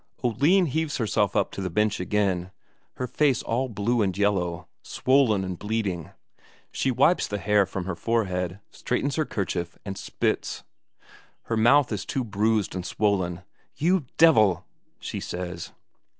Oline heaves herself up to the bench again, her face all blue and yellow, swollen and bleeding; she wipes the hair from her forehead, straightens her kerchief, and spits; her mouth too is bruised and swollen. "You devil!" she says.